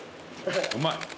うまい。